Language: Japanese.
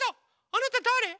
あなただれ？